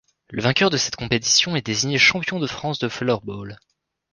Le vainqueur de cette compétition est désigné Champion de France de floorball.